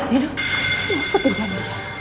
masa kejalanan dia